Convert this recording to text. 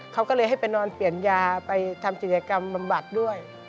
เขาก็เลยให้ไปนอนเปลี่ยนยาไปทำกิจกรรมบำบัดด้วย